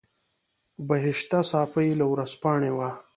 بهشته صافۍ له ورځپاڼې وه.